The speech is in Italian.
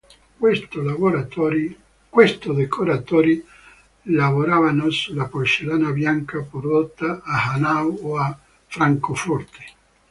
Questi decoratori lavoravano sulla porcellana bianca, prodotta a Hanau o a Francoforte.